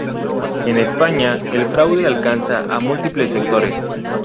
En España el fraude alcanza a múltiples sectores.